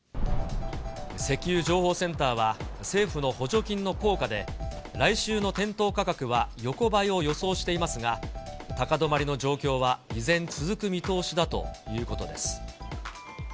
石油情報センターは、政府の補助金の効果で、来週の店頭価格は横ばいを予想していますが、高止まりの状況は依然続く見通しだということです。